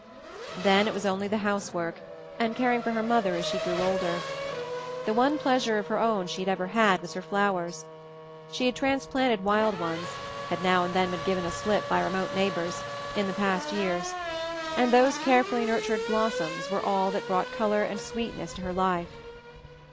Then it was only the housework, and car ing for her mother as she grew older. The one pleasure of her own she ever had was in her flowers. She had transplanted wild ones, had now and then been given "a slip" by remote neighbors — in past years; and those carefully nurtured blossoms were all 288 MOVING THE MOUNTAIN that brought color and sweetness into her gray life.